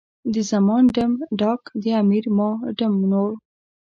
د زمان ډم، ډاګ، د امیر ما ډم نور.